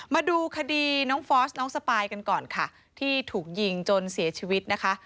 มาดูคดีน้องฟอสน้องสปายกันก่อนค่ะที่ถูกยิงจนเสียชีวิตนะคะ